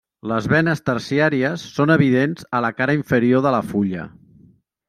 Les venes terciàries són evidents a la cara inferior de la fulla.